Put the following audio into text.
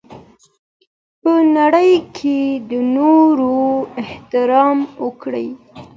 په نړۍ کي د نورو احترام وکړئ.